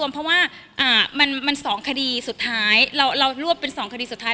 เพราะว่ามัน๒คดีสุดท้ายเรารวบเป็น๒คดีสุดท้าย